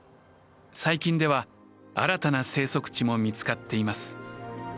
最近では新たな生息地も見つかっています。